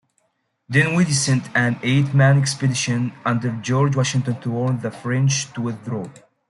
Dinwiddie sent an eight-man expedition under George Washington to warn the French to withdraw.